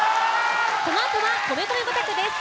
このあとは米米５択です。